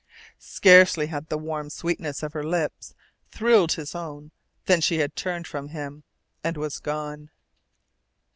Scarcely had the warm sweetness of her lips thrilled his own than she had turned from him, and was gone.